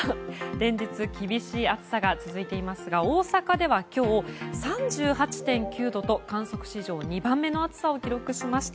連日、厳しい暑さが続いていますが大阪では今日、３８．９度と観測史上２番目の暑さを記録しました。